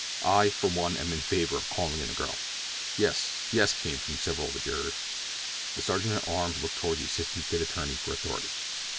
I, for one, am in favor of calling in the girl." "Yes," "Yes," came from several of the jurors. The sergeant at arms looked toward the assistant State attorney for authority.